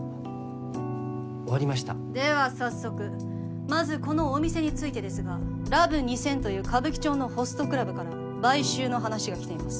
終わりましたでは早速まずこのお店についてですがラブ２０００という歌舞伎町のホストクラブから買収の話が来ています